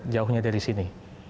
jauhnya dari sini